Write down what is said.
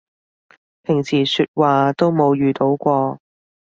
平時說話都冇遇到過